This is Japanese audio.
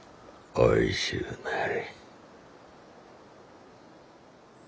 おいしゅうなれ。